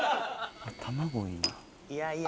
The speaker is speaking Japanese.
卵いいな。